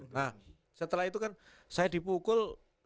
nah setelah itu kan saya dipukul